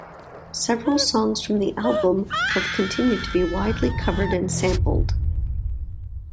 Several songs from the album have continued to be widely covered and sampled.